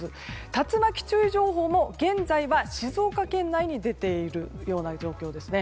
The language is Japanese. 竜巻注意情報も現在は静岡県内に出ている状況です。